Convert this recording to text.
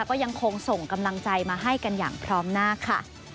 ก็ยังคงส่งกำลังใจมาให้กันอย่างพร้อมหน้าค่ะ